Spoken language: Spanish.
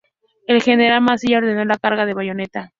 El general Mansilla ordenó la carga a bayoneta.